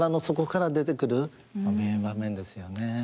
名場面ですよね。